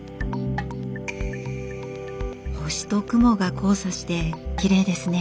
星と雲が交差してきれいですね。